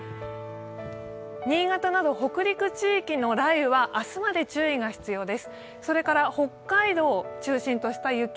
新潟など北陸地域の雷雨は明日まで注意が必要です。